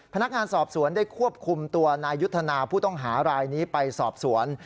พนักงานสอบสวนได้ควบคุมตัวนายยุทธนาผู้ต้องหารายนี้ไปสอบสวน